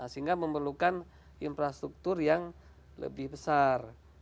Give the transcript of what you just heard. sehingga memerlukan infrastruktur yang lebih besar